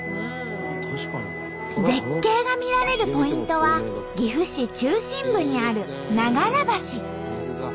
絶景が見られるポイントは岐阜市中心部にある長良橋。